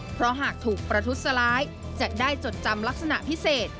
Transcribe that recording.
เพราะหากถูกประทุษร้ายจะได้จดจำลักษณะพิเศษ